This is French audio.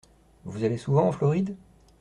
Vous allez souvent en Floride ?